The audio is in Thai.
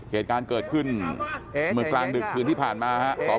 เหตุการณ์เกิดขึ้นบรรทราบมือกลางดึกที่ผ่านนะครับ